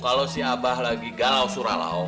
kalau si abah lagi galau suralau